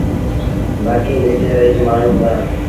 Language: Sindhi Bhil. بآڪيٚن جيڪي رهيٚل مآڻهوٚݩ هُݩدآ۔